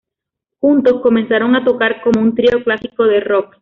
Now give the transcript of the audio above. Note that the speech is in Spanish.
Juntos comenzaron a tocar como un trío clásico de rock.